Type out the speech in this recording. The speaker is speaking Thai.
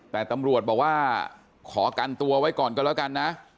แต่ตำรวจบอกว่าขอกันตัวไว้ก่อนก็แล้วกันนะ